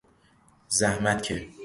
زحمت که...